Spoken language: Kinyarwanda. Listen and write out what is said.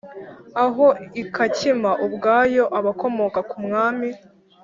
aho ikacyima ubwayo, abakomoka ku mwami,